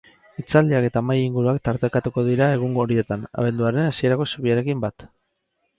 Hitzaldiak eta mahai-inguruak tartekatuko dira egun horietan, abenduaren hasierako zubiarekin bat.